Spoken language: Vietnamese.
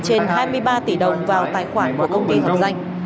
trên hai mươi ba tỷ đồng vào tài khoản của công ty dược danh